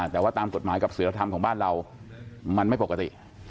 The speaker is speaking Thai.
แต่ว่าตามกฎหมายกับศิลธรรมของบ้านเรามันไม่ปกติ